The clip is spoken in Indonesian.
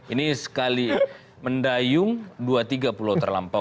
ini sekali mendayung dua tiga pulau terlampau